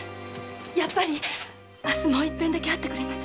やっぱり明日もう一度だけ会ってくれません？